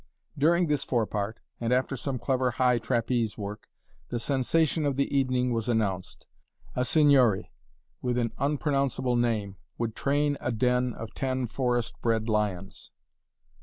During this forepart, and after some clever high trapeze work, the sensation of the evening was announced a Signore, with an unpronounceable name, would train a den of ten forest bred lions!